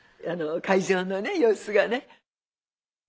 会場の様子がね。